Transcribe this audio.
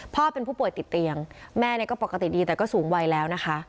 เป็นผู้ป่วยติดเตียงแม่ก็ปกติดีแต่ก็สูงวัยแล้วนะคะ